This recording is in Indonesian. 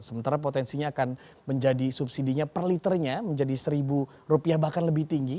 sementara potensinya akan menjadi subsidi nya per liternya menjadi seribu rupiah bahkan lebih tinggi